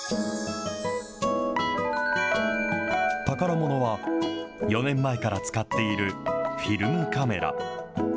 宝ものは、４年前から使っている、フィルムカメラ。